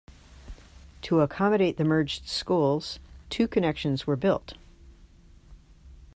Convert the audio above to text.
To accommodate the merged schools, two connections were built.